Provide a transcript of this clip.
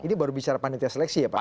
ini baru bicara panitia seleksi ya pak